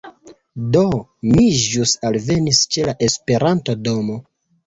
Do, mi ĵus alvenis ĉe la Esperanto-domo